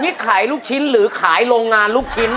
นี่ขายลูกชิ้นหรือขายโรงงานลูกชิ้น